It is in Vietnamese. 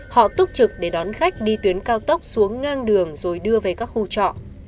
họ túc trực để đón khách đi tuyến cao tốc xuống ngang đường rồi đưa về các khu trọ